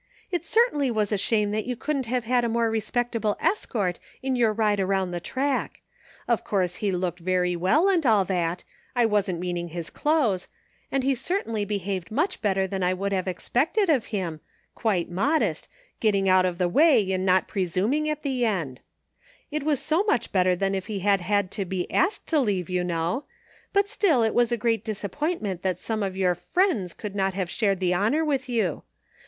"It certainly was a shame that you couldn't have had a more respectable escort in your ride around 235 THE FINDING OF JASPER HOLT the trade Of course he looked very well and all tiiat, I wasn't meaning his clothes; and he really behaved much better than I would have expected for him, quite modest, getting out of the way and not presiuning at the end It was so much better than if he had had to be asked to leave, you know, but still, it was a great disappointment that some of your friends couldn't have shared the honor with you.